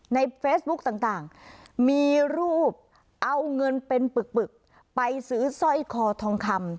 ในเฟซบุ๊กต่างมีรูปเอาเงินเป็นปึกไปซื้อสร้อยคอทองคำ